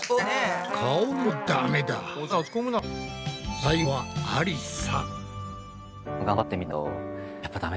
最後はありさ。